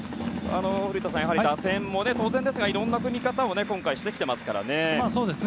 古田さん、打線も当然ですがいろんな組み方を今回してきてますからね。